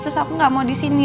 terus aku gak mau disini